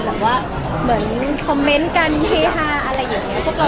เหมือนว่าคอมเมนต์กันแฮฮาอะไรอย่างนี้